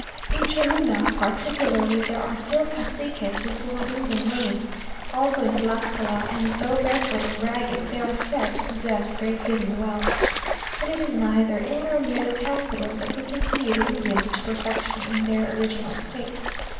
In Cholula, particularly, there are still caciques with long Indian names; also in Tlascala and though barefoot and ragged, they are said to possess great hidden wealth. But it is neither in or near the capital that we can see the Indians to perfection in their original state.